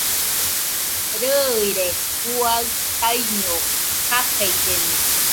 Rɨire juaɨ taiño kakaillena